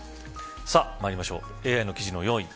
さあ、まいりましょう。